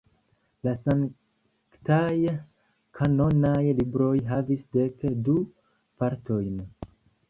La sanktaj kanonaj libroj havis dek du partojn.